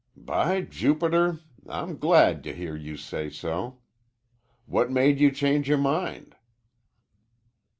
"By Jupiter, I'm glad to hear you say so. What made you change yore mind?"